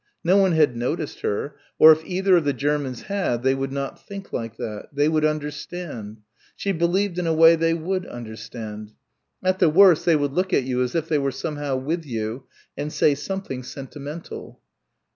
No one had noticed her or if either of the Germans had they would not think like that they would understand she believed in a way, they would understand. At the worst they would look at you as if they were somehow with you and say something sentimental.